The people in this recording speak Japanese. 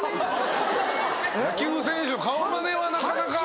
野球選手の顔マネはなかなか。